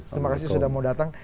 terima kasih sudah mau datang